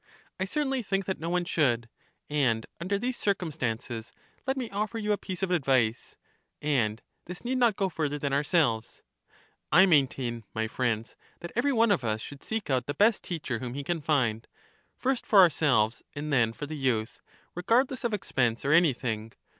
I certainly think that no one should; and under these circumstances, let me offer you a piece of advice (and this need not go further than ourselves) . LACHES 119 I maintain, my friends, that every one of us should seek out the best teacher whom he can find, first for ourselves, and then for the youth, regardless of ex pense or anything.